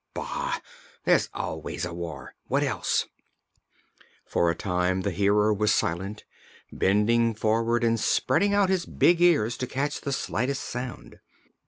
"Bah! there's always a war. What else?" For a time the Hearer was silent, bending forward and spreading out his big ears to catch the slightest sound.